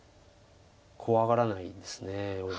怖がらないんですね。